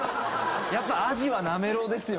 アジはなめろうですよ！